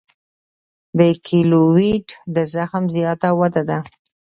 د کیلویډ د زخم زیاته وده ده.